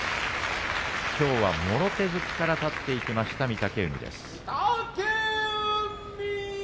きょうは、もろ手突きから立っていきました御嶽海。